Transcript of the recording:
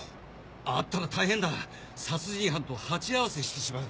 あったら大変だ殺人犯と鉢合わせしてしまう。